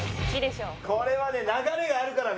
これはね流れがあるからね。